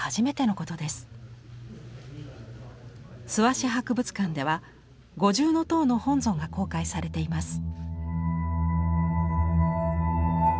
諏訪市博物館では五重塔の本尊が公開されています。